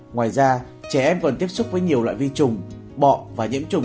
ngoài ra trẻ em còn tiếp xúc với nhiều loại vi trùng bọ và nhiễm trùng